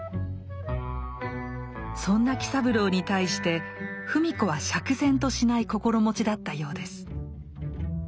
そんな喜三郎に対して芙美子は釈然としない心持ちだったようです。